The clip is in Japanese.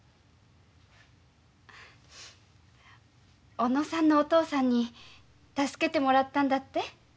小野さんのお父さんに助けてもらったんだって？